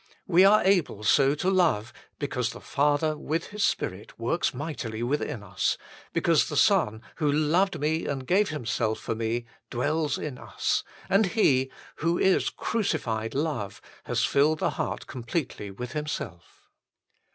We are able so to love, because the Father with His Spirit works mightily within us ; because the Son, " who loved me and gave Himself for me," dwells in us, and He, who is crucified Love, has filled the heart completely with Himself.